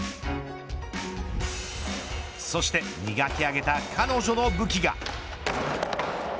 そして磨き上げた彼女の武器が。